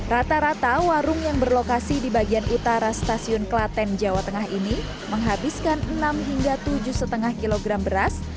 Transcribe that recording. rata rata warung yang berlokasi di bagian utara stasiun klaten jawa tengah ini menghabiskan enam hingga tujuh lima kg beras